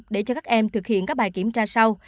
để cho các em thực hiện các bài kiểm tra sau